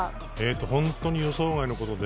本当に予想外のことで。